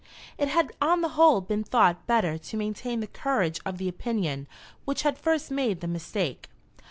It had on the whole been thought better to maintain the courage of the opinion which had first made the mistake.